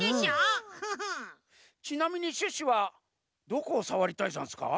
ちなみにシュッシュはどこをさわりたいざんすか？